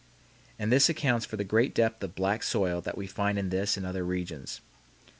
And this accounts for the great depth of black soil that we find in this and other regions.